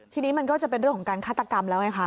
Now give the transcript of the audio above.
ทีนี้มันก็จะเป็นเรื่องของการฆาตกรรมแล้วไงคะ